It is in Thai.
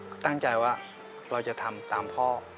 ก็ตั้งใจว่าเราจะทำตามพ่อ